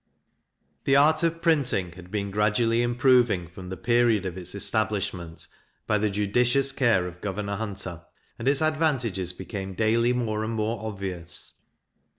The art of printing had been gradually improving from the period of its establishment, by the judicious care of Governor Hunter, and its advantages became daily more and more obvious.